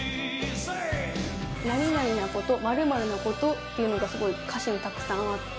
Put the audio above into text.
何々なこと○○なことっていうのがすごい歌詞にたくさんあって。